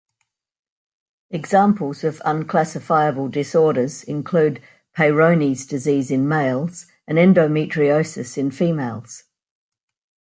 Examples of unclassifiable disorders include Peyronie's disease in males and endometriosis in females.